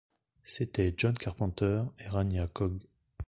C’étaient John Carpenter et Ranyah Cogh.